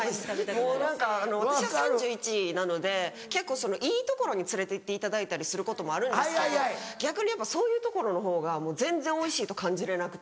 もう何か私は３１歳なので結構いい所に連れて行っていただいたりすることもあるんですけど逆にやっぱそういう所のほうがもう全然おいしいと感じれなくて。